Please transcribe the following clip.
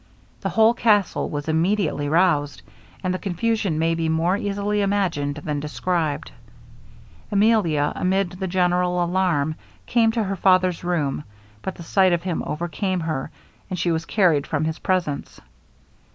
The whole castle was immediately roused, and the confusion may be more easily imagined than described. Emilia, amid the general alarm, came to her father's room, but the sight of him overcame her, and she was carried from his presence.